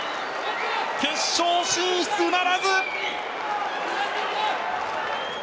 決勝進出ならず。